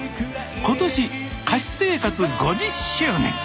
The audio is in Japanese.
今年歌手生活５０周年。